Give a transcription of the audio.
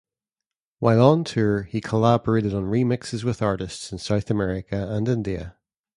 While on tour he collaborated on remixes with artists in South America and India.